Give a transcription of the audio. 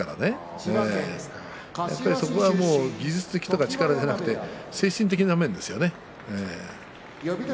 そこはやっぱり技術とか力じゃなくて精神的な面ですよね。